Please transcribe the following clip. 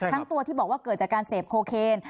ทั้งตัวที่บอกว่าเกิดจากการเสพโคเคน